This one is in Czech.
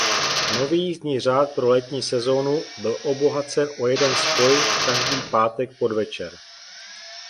Nový jízdní řád pro letní sezónu byl obohacen o jeden spoj každý pátek podvečer.